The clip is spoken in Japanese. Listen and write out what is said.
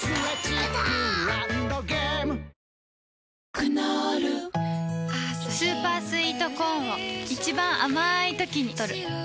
クノールスーパースイートコーンを一番あまいときにとる